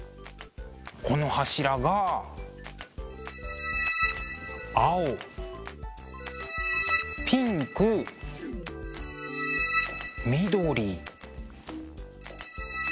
この柱が青ピンク緑赤。